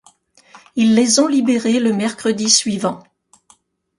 Ils les ont libérés le mercredi suivant.